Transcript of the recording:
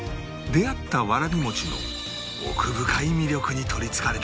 出会ったわらび餅の奥深い魅力に取りつかれた